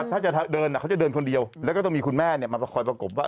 ถ้าจะเดินเขาจะเดินคนเดียวแล้วก็ต้องมีคุณแม่มาประคอยประกบว่า